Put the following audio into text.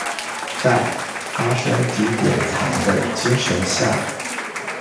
在「發生即典藏」的精神下